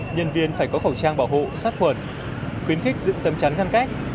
nhân viên phải có khẩu trang bảo hộ sát khuẩn khuyến khích dựng tầm chắn ngăn cách